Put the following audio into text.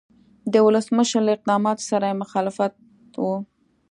د ولسمشر له اقداماتو سره یې مخالفت و.